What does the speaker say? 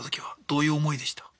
どういう思いでした？